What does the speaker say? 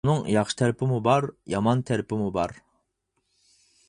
ئۇنىڭ ياخشى تەرىپىمۇ بار، يامان تەرىپىمۇ بار.